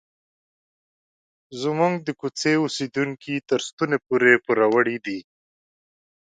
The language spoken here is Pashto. زموږ د کوڅې اوسیدونکي تر ستوني پورې پوروړي دي.